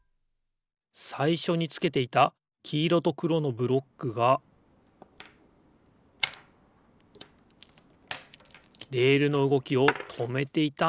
さいしょにつけていたきいろとくろのブロックがレールのうごきをとめていたんですね。